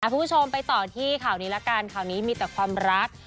คุณผู้ชมไปต่อที่ข่าวนี้ละกันข่าวนี้มีแต่ความรัก